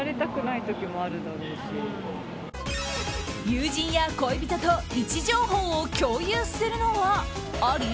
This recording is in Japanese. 友人や恋人と位置情報を共有するのはあり？